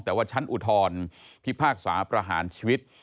แต่ว่าชั้นอุทธรพิพากษาประหารชีวิต